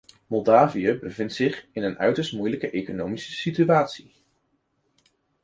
Moldavië bevindt zich in een uiterst moeilijke economische situatie.